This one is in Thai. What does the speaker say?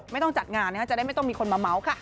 ไม่ต้องจัดงานนะคะจะได้ไม่ต้องมีคนมาเมาส์ค่ะ